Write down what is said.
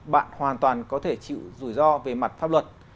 bạn hoàn toàn có thể chịu rủi ro về mặt pháp luật